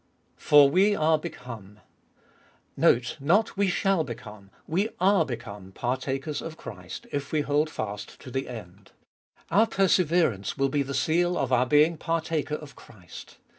For we are become — note, not we shall become — we are become, partakers of Christ, if we hold fast to the end. Our perseverance will be the seal of our being partaker of Christ.